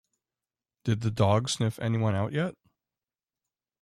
Did the dog sniff anyone out yet?